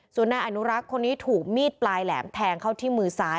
ส่วนนายอนุรักษ์คนนี้ถูกมีดปลายแหลมแทงเข้าที่มือซ้าย